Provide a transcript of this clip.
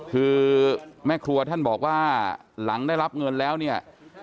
คือแม่ครัวท่านบอกว่าหลังได้รับเงินแล้วเนี่ย